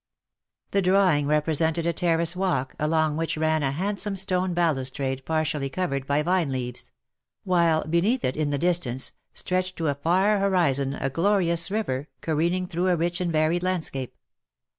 The drawing represented a terrace walk, along which ran a handsome stone balustrade partially covered by vine leaves ; while beneath it in the distance, stretched to a far hori zon a glorious river, careering through a rich and varied landscape.